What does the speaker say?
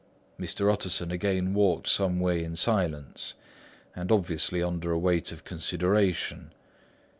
Mr. Utterson again walked some way in silence and obviously under a weight of consideration.